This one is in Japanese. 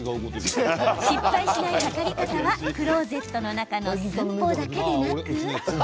失敗しない、測り方はクローゼットの中の寸法だけでなく。